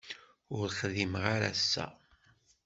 Ur xdimeɣ ara ass-a.